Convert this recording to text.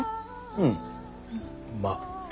うんまあ。